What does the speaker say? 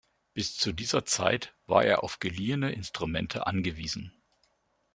Bis zu dieser Zeit war er auf geliehene Instrumente angewiesen.